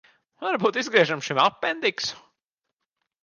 Varbūt izgriežam šim apendiksu?